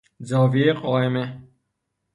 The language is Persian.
زاویهی قائمه